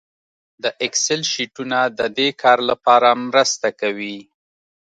د اکسل شیټونه د دې کار لپاره مرسته کوي